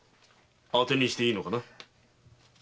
あてにしていいのかな？